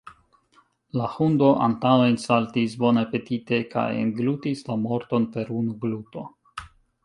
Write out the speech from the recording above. La hundo antaŭensaltis bonapetite kaj englutis la morton per unu gluto.